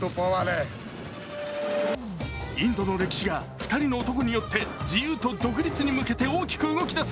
インドの歴史が２人の男によって自由と独立に向けて大きく動き出す。